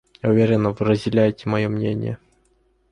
Я уверена, вы разделяете мое мнение.